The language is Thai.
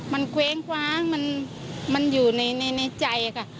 มันเกว้งมันอยู่ในใจค่ะ